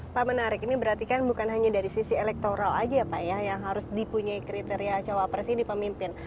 pak menarik ini berarti kan bukan hanya dari sisi elektoral aja ya pak ya yang harus dipunyai kriteria cawapres ini pemimpin